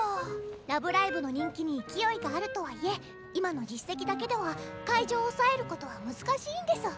ラブライブの人気に勢いがあるとはいえ今の実績だけでは会場を押さえる事は難しいんです。